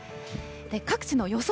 各地の予想